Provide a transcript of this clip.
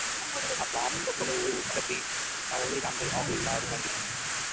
A bomb could be carried under overload conditions.